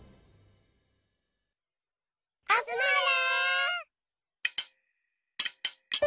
あつまれ！